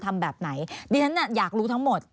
ทำแบบไหนดิฉันอยากรู้ทั้งหมด